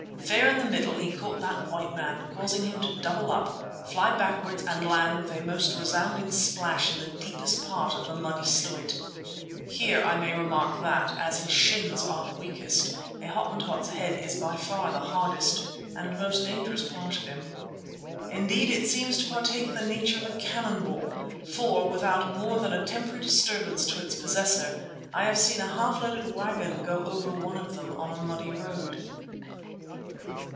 Fair in the middle he caught that white man, causing him to double up, fly backwards and land with a most resounding splash in the deepest part of the muddy sluit. Here I may remark that, as his shins are the weakest, a Hottentot's head is by far the hardest and most dangerous part of him. Indeed it seems to partake of the nature of a cannon ball, for, without more than temporary disturbance to its possessor, I have seen a half loaded wagon go over one of them on a muddy road.